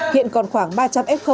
hiện còn khoảng ba trăm linh f